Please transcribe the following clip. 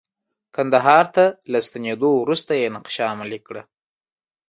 کندهار ته له ستنیدو وروسته یې نقشه عملي کړه.